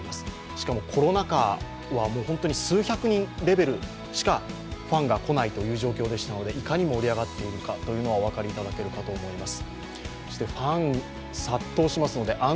しかもコロナ禍は本当に数百人レベルしかファンが来ないという状況でしたのでいかに盛り上がっているのかがお分かりいただけるかと思います。